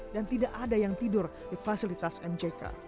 dan tidak ada yang tidur di fasilitas mck